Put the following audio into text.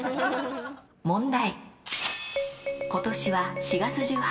問題。